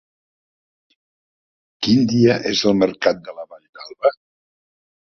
Quin dia és el mercat de la Vall d'Alba?